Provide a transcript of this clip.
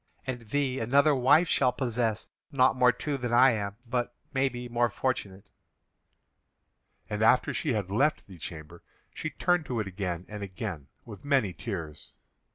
And thee another wife shall possess, not more true than I am, but, maybe, more fortunate!" And after she had left the chamber, she turned to it again and again with many tears.